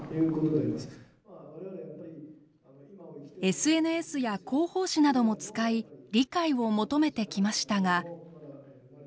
ＳＮＳや広報誌なども使い理解を求めてきましたが。